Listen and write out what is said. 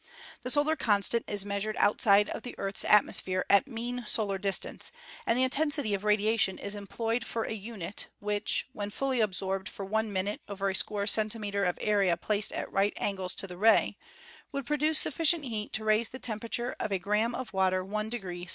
The solar constant is measured outside of the Earth's atmosphere at mean solar distance, and the intensity of radiation is employed for a unit, 122 ASTRONOMY which, when fully absorbed for one minute over a square centimeter of area placed at right angles to the ray, would produce sufficient heat to raise the temperature of a gram of water i° C.